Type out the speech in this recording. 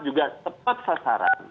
juga tepat sasaran